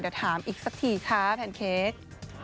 เดี๋ยวถามอีกสักทีคะแพนเค้ก